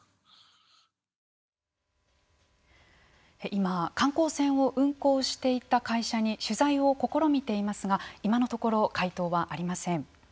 今、観光船を運航していた会社に取材を試みていますが今のところ、回答はありません。